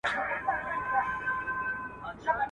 o له خوارۍ ژرنده چلوي، له خياله مزد نه اخلي.